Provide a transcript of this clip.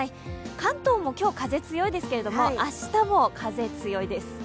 関東も今日風強いですけども、明日も風強いです。